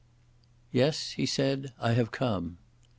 "Yes," he said, "I have come."